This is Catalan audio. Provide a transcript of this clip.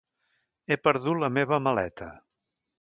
He perdut la meva maleta.